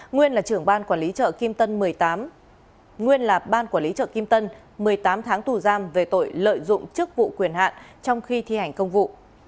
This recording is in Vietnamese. nguyên là trưởng ban quản lý chợ kim tân một mươi tám tháng tù giam về tội lợi dụng chức vụ quyền hạn trong khi thi hành công vụ